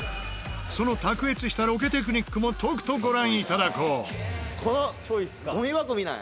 その卓越したロケテクニックもとくとご覧いただこう。